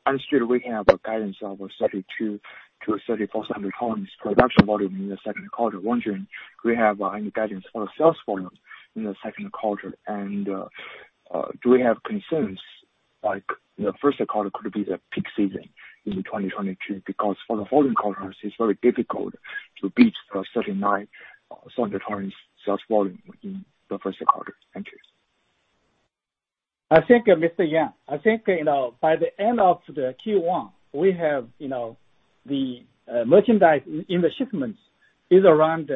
Understood we have a guidance of 3,200-3,400 tons production volume in the second quarter. Wondering, do we have any guidance on sales volume in the second quarter? Do we have concerns like the first quarter could be the peak season in 2022, because for the following quarters it's very difficult to beat 3,900 tons sales volume in the first quarter. Thank you. I think, Mr. Yang, you know, by the end of the Q1, we have, you know, the merchandise in the shipments is around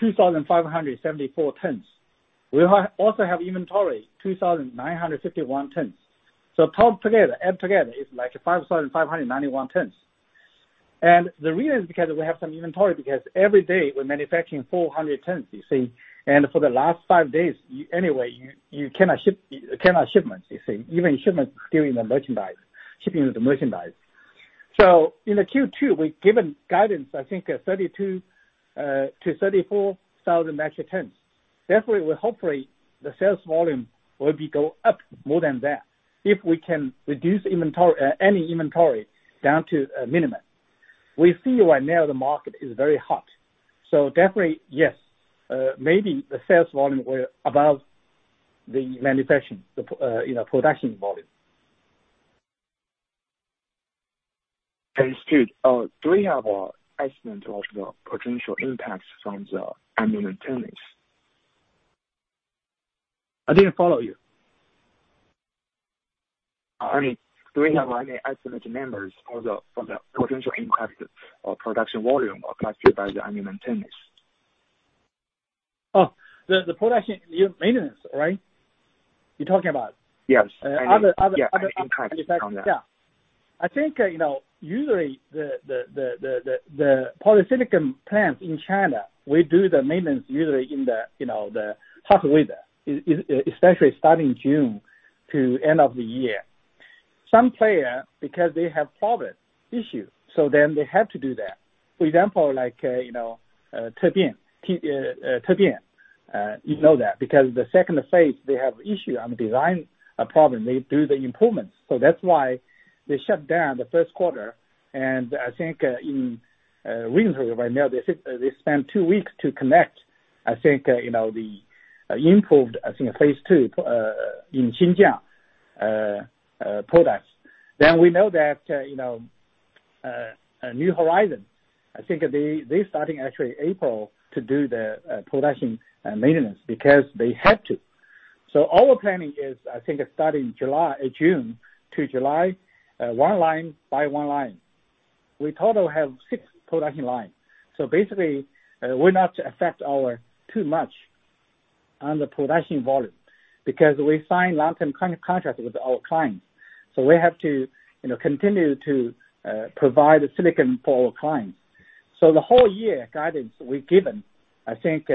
2,574 tons. We also have inventory, 2,951 tons. Total together, add together, is like 5,591 tons. The reason is because we have some inventory because every day we're manufacturing 400 tons, you see. For the last five days, anyway, you cannot ship shipments, you see. Even shipments still in the merchandise, shipping with the merchandise. In the Q2, we've given guidance, I think, 32,000-34,000 metric tons. Therefore, we hopefully the sales volume will be go up more than that if we can reduce inventory, any inventory down to a minimum. We see right now the market is very hot. Definitely, yes, maybe the sales volume will above the manufacturing, you know, production volume. Thanks, Longgen Zhang. Do we have an estimate of the potential impacts from the annual maintenance? I didn't follow you. I mean, do we have any estimated numbers for the potential impact of production volume affected by the annual maintenance? Oh. The production maintenance, right? You're talking about. Yes. Other, other- Yeah. Impact from that. I think, you know, usually the polysilicon plants in China, we do the maintenance usually in the hot weather. Essentially starting June to end of the year. Some player, because they have product issue, so then they have to do that. For example, like, you know, TBEA, you know that because the second phase they have issue on design problem. They do the improvements. So that's why they shut down the first quarter. I think, in winter right now, they spend two weeks to connect, I think, you know, the improved, I think, phase two in Xinjiang products. We know that, you know, East Hope, I think they starting actually April to do the production maintenance because they had to. Our planning is, I think, starting July, June to July, one line by one line. We total have six production line. So basically, will not affect us too much on the production volume because we sign long-term contract with our clients, so we have to, you know, continue to provide silicon for our clients. So the whole year guidance we've given, I think,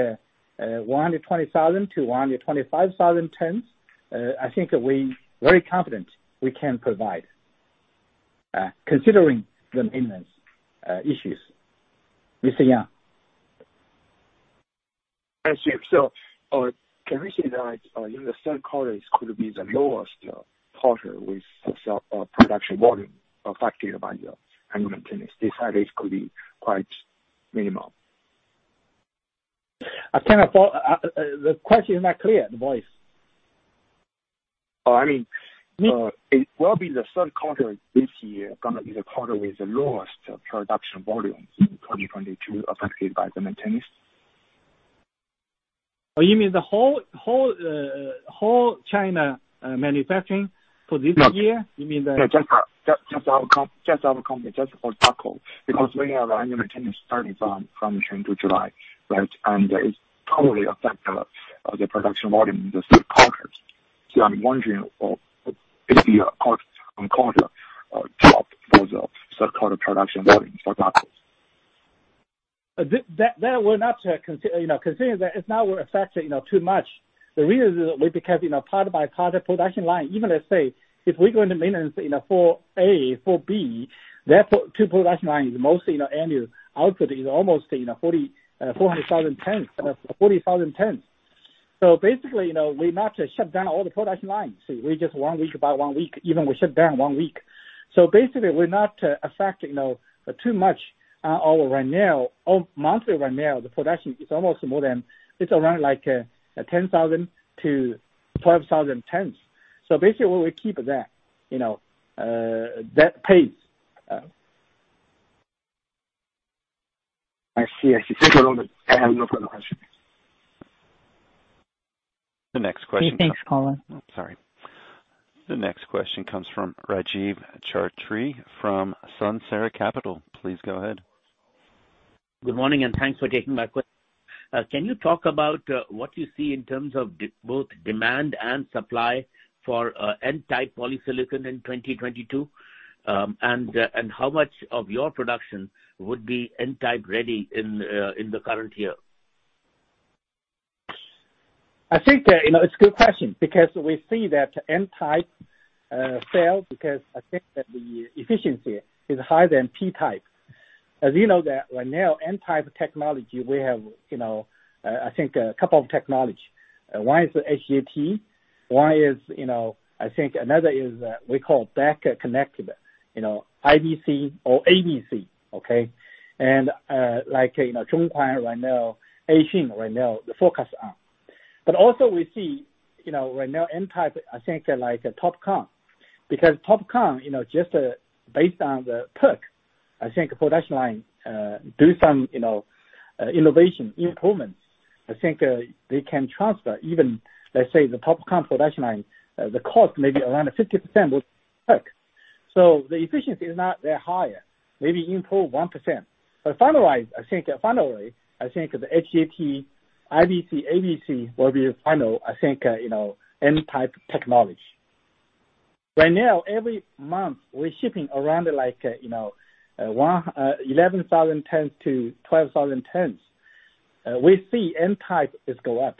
120,000-125,000 tons. I think we very confident we can provide, considering the maintenance issues. Mr. Yang. I see. Can we say that in the third quarters could be the lowest quarter with the production volume affected by the annual maintenance. This could be quite minimal. I kind of thought the question is not clear, the voice. Oh, I mean. It will be the third quarter this year, gonna be the quarter with the lowest production volume in 2022 affected by the maintenance. Oh, you mean the whole China manufacturing for this year? No. You mean the- No. Just our company, just for Daqo. Because we have annual maintenance starting from June to July, right? It's totally affect the production volume in the third quarter. So I'm wondering for this year quarter-on-quarter drop for the third quarter production volume for Daqo. That will not consider, you know, considering that it's not affecting, you know, too much. The reason is that we build them, you know, part by part the production line. Even let's say if we go into maintenance, you know, for 4A, for 4B, that two production lines, mostly annual output is almost 40,000 tons. Basically, you know, we not shut down all the production lines. We just one week by one week, even we shut down one week. Basically we're not affecting, you know, too much our run rate. Our monthly run rate, the production is almost more than. It's around like 10,000-12,000 tons. Basically we will keep that, you know, that pace. I see. Thank you very much. I have no further question. The next question. He thinks Colin. Sorry. The next question comes from Rajiv Chhatri from Suncera Capital. Please go ahead. Good morning, and thanks for taking my question. Can you talk about what you see in terms of both demand and supply for N-type polysilicon in 2022? How much of your production would be N-type ready in the current year? I think that, you know, it's a good question because we see that N-type cells because I think that the efficiency is higher than P-type. As you know that right now N-type technology we have, you know, I think a couple of technology. One is the HIT, one is you know, I think another is, we call back connected. You know, IBC or ABC. Okay. Like, you know, Zhonghuan right now, Xing right now, the focus on. But also we see, you know, right now N-type I think like TOPCon. Because TOPCon, you know, just based on the PERC, I think production line do some, you know, innovation improvements. I think they can transfer even, let's say, the TOPCon production line, the cost may be around 50% with PERC. The efficiency is not there higher, maybe improve 1%. Finally, I think the HIT, IBC, ABC will be the final, I think, you know, N-type technology. Right now, every month we're shipping around like, you know, 11,000 tons-2,000 tons. We see N-type is go up.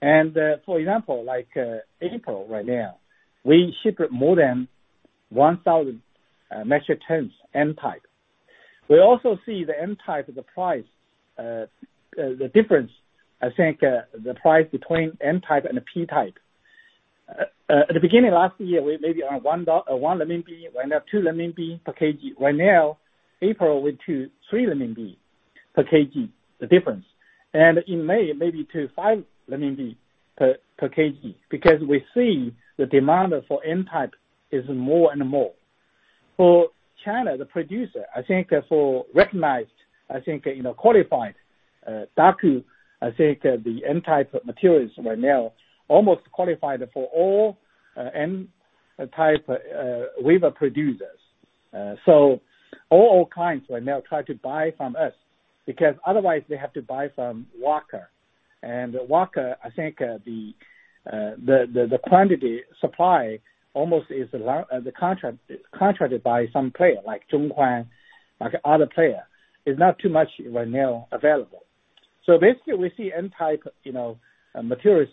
For example, like, April right now, we shipped more than 1,000 metric tons N-type. We also see the N-type, the price, the difference, I think, the price between N-type and a P-type. At the beginning of last year, we may be around 1, right now 2 per kg. Right now, April went to 3 per kg, the difference. In May, maybe to 5 per kg. Because we see the demand for N-type is more and more. For China producers, I think for recognized, I think, you know, qualified Daqo, I think the N-type materials right now almost qualified for all N-type wafer producers. So all kinds right now try to buy from us because otherwise they have to buy from Wacker. Wacker, I think, the quantity supply almost all long-term contracted by some players like Zhonghuan, like other players. It's not too much right now available. Basically we see N-type, you know, materials,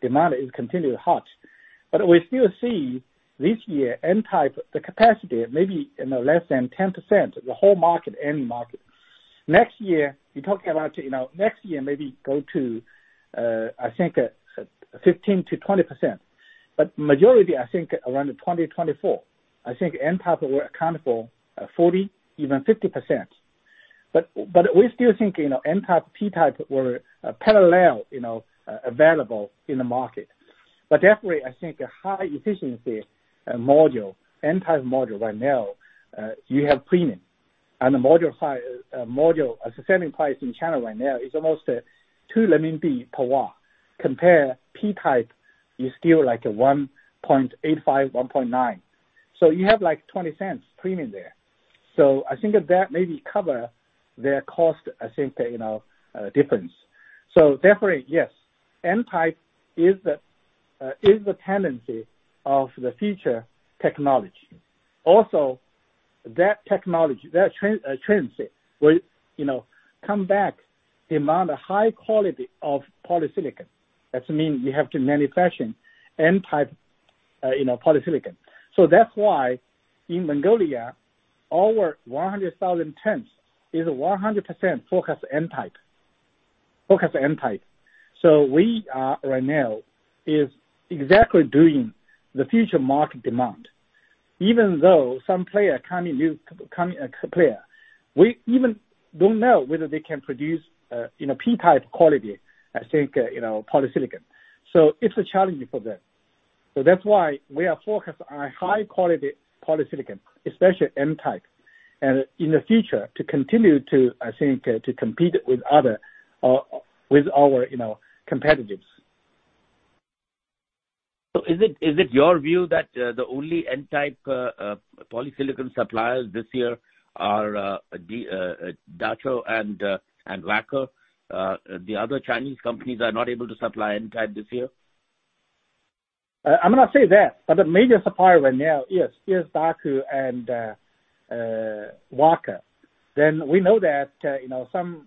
demand is continually hot. We still see this year N-type capacity maybe less than 10% the whole market, N market. Next year, we're talking about maybe 15%-20%. Majority, I think around 20-24. I think N-type will account for 40%, even 50%. We still think, you know, N-type, P-type are parallel, you know, available in the market. Definitely, I think a high efficiency module, N-type module right now you have premium. The module selling price in China right now is almost 2 per watt. Compared to P-type is still like 1.85, 1.9. You have like 0.20 premium there. I think that maybe cover their cost, I think, you know, difference. Therefore, yes, N-type is the tendency of the future technology. Also, that technology, that trend will, you know, come back demand for high quality of polysilicon. That means you have to manufacture N-type, you know, polysilicon. That's why in Inner Mongolia, our 100,000 tons is 100% focused N-type. We are right now exactly doing the future market demand. Even though some new players come in, we even don't know whether they can produce, you know, P-type quality, I think, you know, polysilicon. It's a challenge for them. That's why we are focused on high-quality polysilicon, especially N-type, and in the future to continue to, I think, compete with others or with our, you know, competitors. Is it your view that the only N-type polysilicon suppliers this year are Daqo and Wacker? The other Chinese companies are not able to supply N-type this year? I'm gonna say that, but the major supplier right now is Daqo and Wacker. We know that, you know, some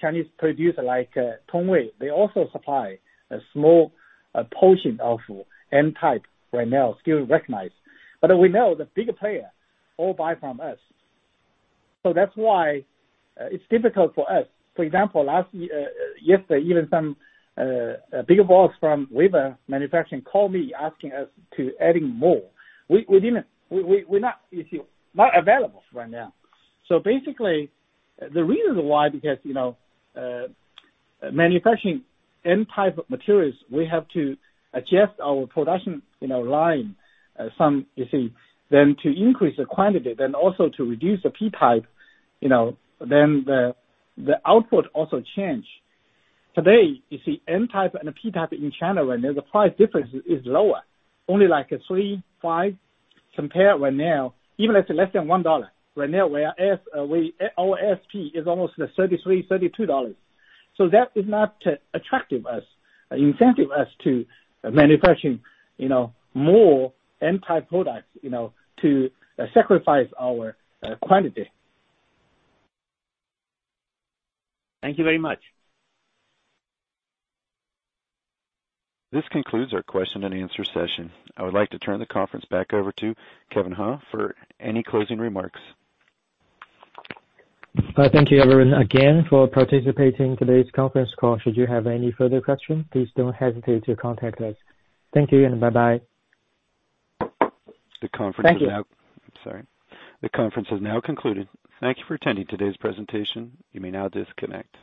Chinese producer like Tongwei, they also supply a small portion of N-type right now, still recognized. But we know the bigger player all buy from us. That's why it's difficult for us. For example, last year, yesterday even some big boss from wafer manufacturing called me asking us to adding more. We didn't. We not available right now. Basically, the reason why, because, you know, manufacturing N-type materials, we have to adjust our production, you know, line some, you see. To increase the quantity, also to reduce the P-type, you know, the output also change. Today, you see N-type and P-type in China right now, the price difference is lower, only like a 3.5 cents right now. Even it's less than $1 right now, where ASP is almost $33, $32. That is not attractive to us, incentivize us to manufacture, you know, more N-type products, you know, to sacrifice our quantity. Thank you very much. This concludes our question and answer session. I would like to turn the conference back over to Kevin He for any closing remarks. Thank you everyone again for participating in today's conference call. Should you have any further question, please don't hesitate to contact us. Thank you and bye-bye. The conference is now- Thank you. I'm sorry. The conference has now concluded. Thank you for attending today's presentation. You may now disconnect.